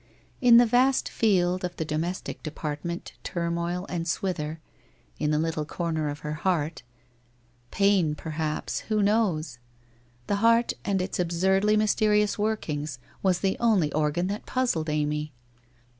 In the vast field of the domestic department turmoil and swither, in the little corner of the heart — WHITE ROSE OF WEARY LEAF 233 pain, perhaps, who knows? The heart and its absurdly mysterious workings, was the only organ that puzzled Amy.